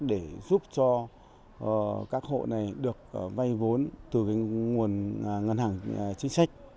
để giúp cho các hộ này được vay vốn từ nguồn ngân hàng chính sách